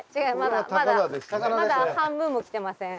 まだまだ半分も来てません。